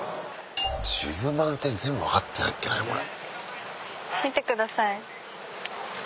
１０万点全部分かってなきゃいけないのこれ。